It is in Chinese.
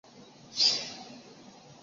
第二年全部成为北魏俘虏。